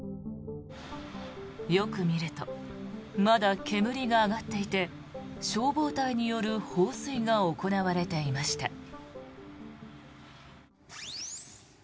よく見るとまだ煙が上がっていて消防隊による放水が行われていました。